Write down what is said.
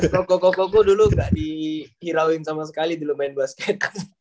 pokok pokokku dulu gak dihirauin sama sekali dulu main basket